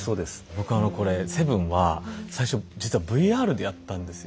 僕あのこれ「７」は最初実はＶＲでやったんですよ。